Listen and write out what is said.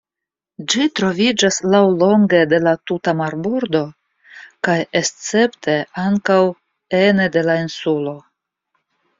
Ĝi troviĝas laŭlonge de la tuta marbordo kaj escepte ankaŭ ene de la insulo.